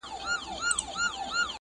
چې د ستر ذات د نافرماني